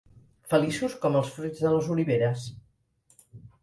Feliços com els fruits de les oliveres.